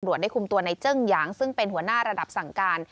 ได้คุมตัวในเจิ้งหยางซึ่งเป็นหัวหน้าระดับสั่งการ